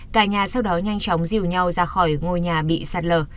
cả nhà sau đó nhanh chóng dìu nhau ra khỏi ngôi nhà bị sạt lở